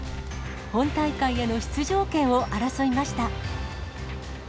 本大会への出場権を争いました。